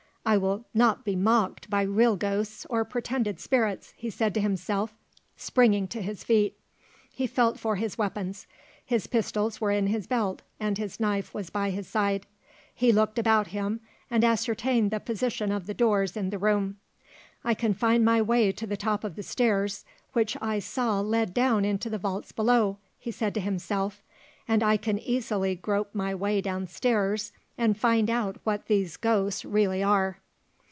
"I will not be mocked by real ghosts or pretended spirits," he said to himself, springing to his feet. He felt for his weapons. His pistols were in his belt and his knife was by his side. He looked about him, and ascertained the position of the doors in the room. "I can find my way to the top of the stairs which I saw led down into the vaults below," he said to himself, "and I can easily grope my way down stairs, and find out what these ghosts really are."